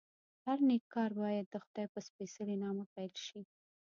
هر نېک کار باید دخدای په سپېڅلي نامه پیل شي.